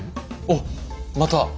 おっまた！